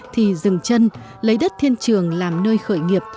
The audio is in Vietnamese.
thì dừng chân lấy đất thiên trường làm nơi khởi nghiệp